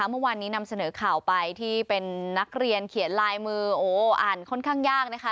เมื่อวานนี้นำเสนอข่าวไปที่เป็นนักเรียนเขียนลายมือโอ้อ่านค่อนข้างยากนะคะ